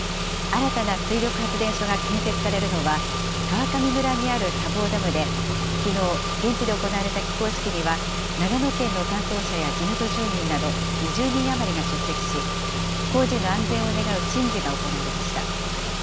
新たな水力発電所が建設されるのは、川上村にある砂防ダムで、きのう、現地で行われた起工式には、長野県の担当者や地元住民など、２０人余りが出席し、工事の安全を願う神事が行われました。